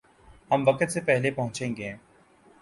ہم وقت سے پہلے پہنچیں گے